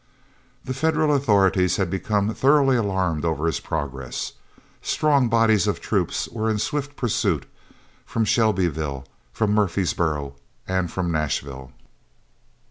The Federal authorities had become thoroughly alarmed over his progress. Strong bodies of troops were in swift pursuit, from Shelbyville, from Murfreesboro, and from Nashville.